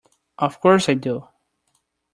Of course I do!